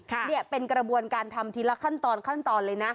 เนี่ยเป็นกระบวนการทำทีละขั้นตอนขั้นตอนเลยนะ